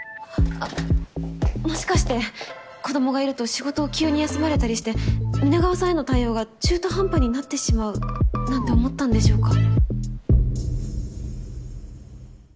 あっもしかして子供がいると仕事を急に休まれたりして皆川さんへの対応が中途半端になってしまうなんて思ったんでしょうか？